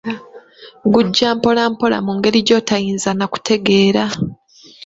Gujja mpolampola mungeri gy'otayinza na kutegeera.